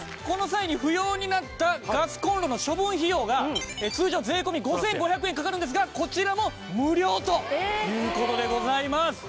この際に不要になったガスコンロの処分費用が通常税込５５００円かかるんですがこちらも無料という事でございます。